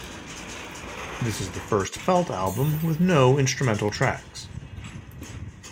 This is the first Felt album with no instrumental tracks.